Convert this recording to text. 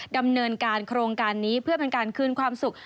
ดำเนินการโครงการนี้เพื่อเป็นการคืนความสุข